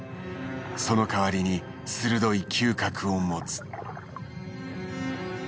そのかわりに鋭い嗅覚を持つ。